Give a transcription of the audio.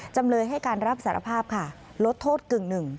จำเลยให้การรับสารภาพค่ะลดโทษกึ่งหนึ่ง